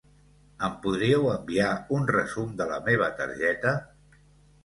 Em podríeu enviar un resum de la meva targeta?